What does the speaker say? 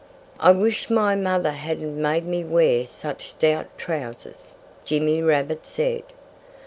"I wish my mother hadn't made me wear such stout trousers," Jimmy Rabbit said.